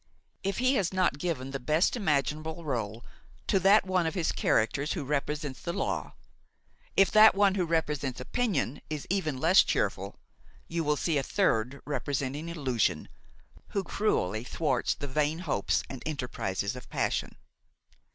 If he has not given the best imaginable rôle to that one of his characters who represents the law, if that one who represents opinion is even less cheerful, you will see a third representing illusion, who cruelly thwarts the vain hopes and enterprises of passion.